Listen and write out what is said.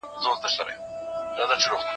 کېدای سي لوښي نم وي!؟